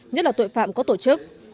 nhất là tội phạm có tổ chức